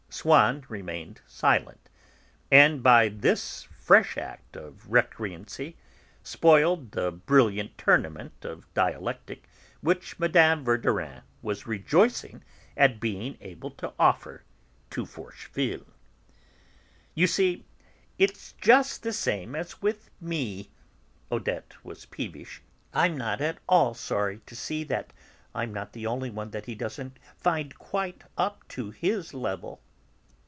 Swann remained silent, and, by this fresh act of recreancy, spoiled the brilliant tournament of dialectic which Mme. Verdurin was rejoicing at being able to offer to Forcheville. "You see, it's just the same as with me!" Odette was peevish. "I'm not at all sorry to see that I'm not the only one he doesn't find quite up to his level."